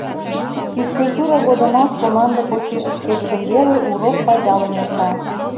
Физкультура годымат команда почеш ыштет гын веле урок пайдалын эрта.